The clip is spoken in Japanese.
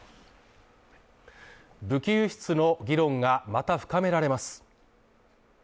武器輸出の議論がまた深められます。